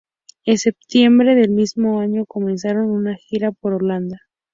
En septiembre del mismo año comenzaron una gira por Holanda.